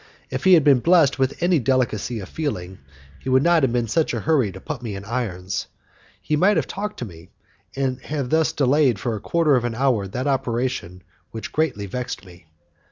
If he had been blessed with any delicacy of feeling, he would not have been in such a hurry to have me put in irons. He might have talked to me, and have thus delayed for a quarter of an hour that operation which greatly vexed me.